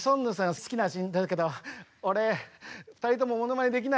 好きらしいんだけど俺２人ともものまねできない。